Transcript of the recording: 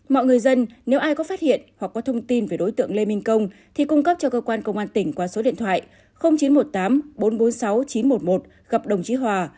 mọi người dân nếu ai có phát hiện hoặc có thông tin về đối tượng lê minh công thì cung cấp cho cơ quan công an tỉnh qua số điện thoại chín trăm một mươi tám bốn trăm bốn mươi sáu chín trăm một mươi một gặp đồng chí hòa